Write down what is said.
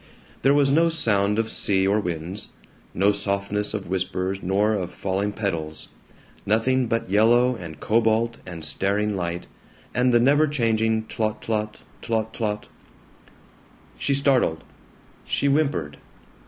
There was no sound of sea or winds; no softness of whispers nor of falling petals; nothing but yellow and cobalt and staring light, and the never changing tlot tlot, tlot tlot She startled. She whimpered.